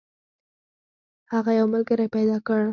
هغه یو ملګری پیدا کړ.